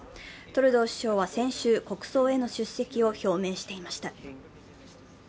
トルドー首相は先週、国葬への出席を表明していました。